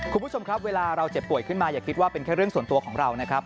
คุณผู้ชมครับเวลาเราเจ็บป่วยขึ้นมาอย่าคิดว่าเป็นแค่เรื่องส่วนตัวของเรานะครับ